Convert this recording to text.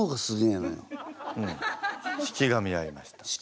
式神はいました。